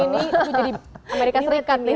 ini tuh jadi amerika serikat nih